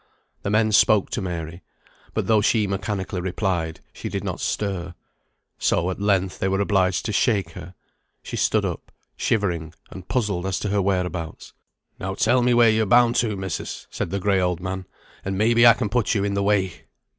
The men spoke to Mary, but though she mechanically replied, she did not stir; so, at length, they were obliged to shake her. She stood up, shivering and puzzled as to her whereabouts. "Now tell me where you are bound to, missis," said the gray old man, "and maybe I can put you in the way."